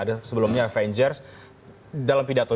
ada sebelumnya avengers dalam pidato